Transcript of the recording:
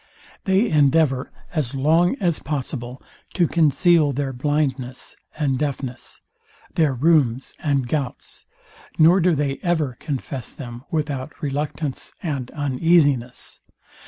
They endeavour, as long as possible, to conceal their blindness and deafness, their rheums and gouts; nor do they ever confess them without reluctance and uneasiness.